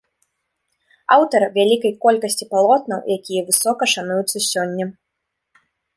Аўтар вялікай колькасці палотнаў, якія высока шануюцца сёння.